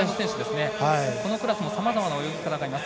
このクラスもさまざまな泳ぎ方がいます。